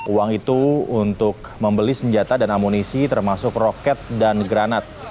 uang itu untuk membeli senjata dan amunisi termasuk roket dan granat